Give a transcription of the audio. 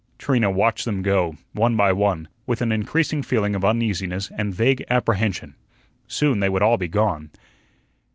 Trina watched them go, one by one, with an increasing feeling of uneasiness and vague apprehension. Soon they would all be gone.